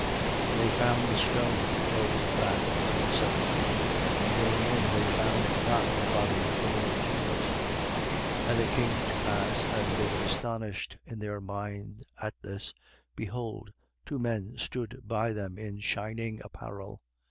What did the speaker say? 24:2. And they found the stone rolled back from the sepulchre. 24:3. And going in, they found not the body of the Lord Jesus. 24:4. And it came to pass, as they were astonished in their mind at this, behold, two men stood by them, in shining apparel.